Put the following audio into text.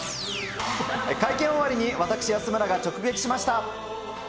会見終わりに、私、安村が直撃しました。